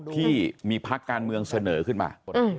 ที่มีพักการเมืองเสนอขึ้นมา